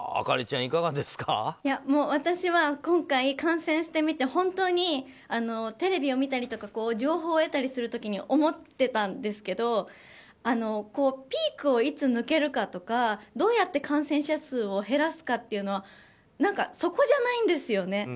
私は今回、感染してみて本当にテレビを見たりとか情報を得たりする時に思ってたんですけどピークをいつ抜けるかとかどうやって感染者数を減らすかっていうのは何かそこじゃないんですよね。